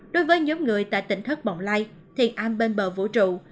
đối với nhóm người tại tỉnh thất bọng lây thiên an bên bờ vũ trụ